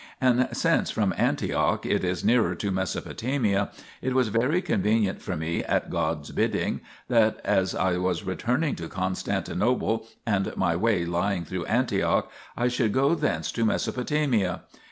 And since from Antioch it is nearer to Mesopotamia, it was very convenient for me at God's bidding that as I was returning to Constantinople, and my way lying through Antioch, I should go thence to Mesopotamia.